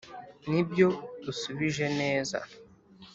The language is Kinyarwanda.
”nibyo! usubije neza!”